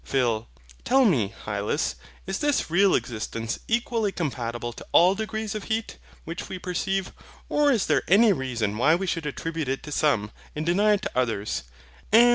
PHIL. Tell me, Hylas, is this real existence equally compatible to all degrees of heat, which we perceive; or is there any reason why we should attribute it to some, and deny it to others?